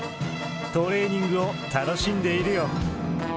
トレーニングを楽しんでいるよ。